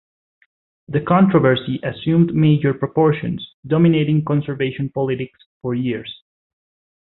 The controversy assumed major proportions, dominating conservation politics for years.